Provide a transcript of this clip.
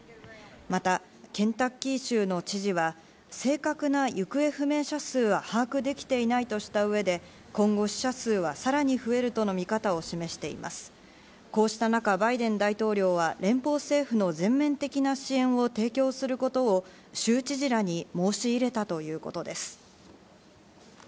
またケンタッキー州の知事は、正確な行方不明者数は把握できていないとした上で、今後、死者数はさらに増えるとした上で、こうした中、バイデン大統領は連邦政府の全面的支援を提供することを州知事らに申し入れたということです。